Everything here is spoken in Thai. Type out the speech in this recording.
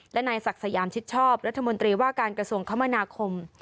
และนายศักดิ์สยามชิดชอบรัฐมนตรีว่าการกระทรวงคมนาคม